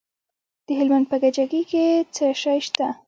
د هلمند په کجکي کې څه شی شته؟